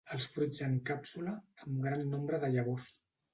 Els fruits en càpsula, amb gran nombre de llavors.